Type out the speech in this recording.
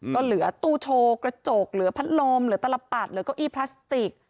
ก็เหลือตู้โชว์กระจกเหลือพัดลมเหลือตลปัดหรือเก้าอี้พลาสติก